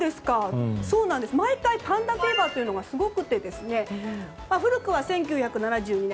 毎回パンダフィーバーというのはすごくて、古くは１９７２年